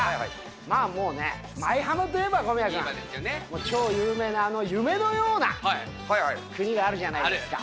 まあ、もうね、舞浜といえば小宮君、超有名な、あの夢のような、国があるじゃないですか。